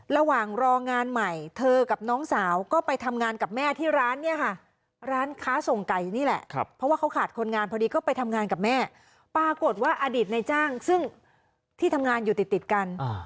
ระหว่างรองานใหม่เธอกับน้องสาวก็ไปทำงานกับแม่ที่ร้านเนี่ยค่ะร้านค้าส่งไก่นี่แหละเพราะว่าเขาขาดคนงานพอดีก็ไปทำงานกับแม่ปรากฏว่าอดีตในจ้างซึ่งที่ทำงานอยู่ติดติดกัน